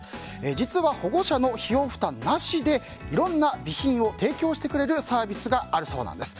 実は保護者の費用負担なしでいろんな備品を提供してくれるサービスがあるそうなんです。